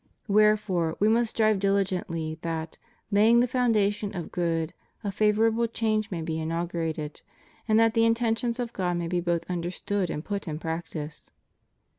Where fore we must strive diligently that, laying the foundation of good, a favorable change may be inaugurated, and that the intentions of God may be both understood and put in practice.